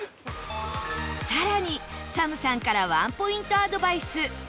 更に ＳＡＭ さんからワンポイントアドバイス